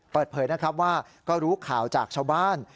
เปิดเผยนะครับว่าก็รู้ข่าวจากชาวบ้าน